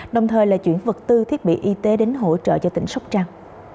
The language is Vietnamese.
đồng thời là chuyển vật tư thiết bị y tế đến hỗ trợ cho tỉnh sóc trăng